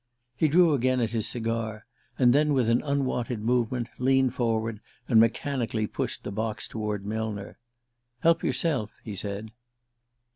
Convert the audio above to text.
He drew again at his cigar, and then, with an unwonted movement, leaned forward and mechanically pushed the box toward Millner. "Help yourself," he said.